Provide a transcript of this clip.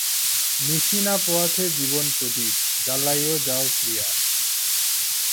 – নিশি না পোহাতে জীবনপ্রদীপ জ্বালাইয়া যাও প্রিয়া!